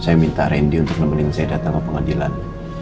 saya minta randy untuk nemenin saya datang ke pengadilan